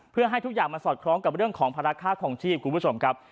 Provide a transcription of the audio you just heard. เพื่อให้ทุกอย่างมันสอดคล้องกับเรื่องของภาระค่าคลองชีพคุณผู้ชมครับ